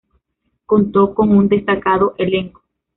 Contó con un destacado elenco.